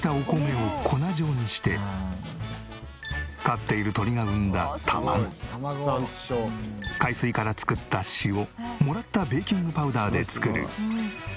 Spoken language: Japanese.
飼っている鶏が産んだ卵海水から作った塩もらったベーキングパウダーで作る。